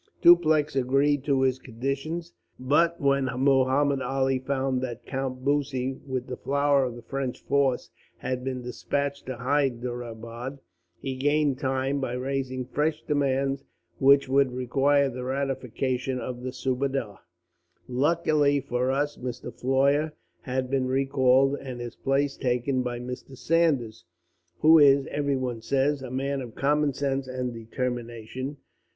Dupleix agreed to his conditions; but when Muhammud Ali found that Count Bussy, with the flower of the French force, had been despatched to Hyderabad, he gained time by raising fresh demands, which would require the ratification of the subadar. "Luckily for us Mr. Floyer had been recalled, and his place taken by Mr. Saunders; who is, everyone says, a man of common sense and determination.